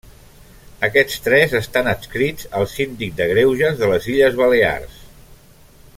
Aquests tres estan adscrits al Síndic de Greuges de les Illes Balears.